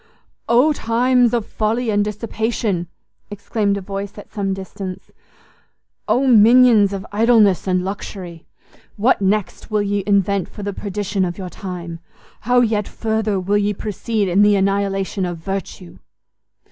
"Oh times of folly and dissipation!" exclaimed a voice at some distance; "Oh mignons of idleness and luxury! What next will ye invent for the perdition of your time! How yet further will ye proceed in the annihilation of virtue!"